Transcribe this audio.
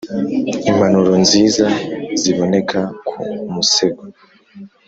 impanuro nziza ziboneka ku musego